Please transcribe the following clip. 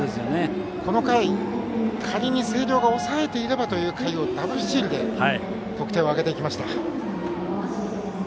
この回、仮に星稜が抑えていればという回にダブルスチールで得点を挙げていきました。